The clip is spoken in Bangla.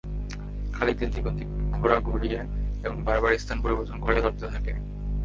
খালিদ এদিক-ওদিক ঘোড়া ঘুরিয়ে এবং বারবার স্থান পরিবর্তন করে লড়তে থাকে।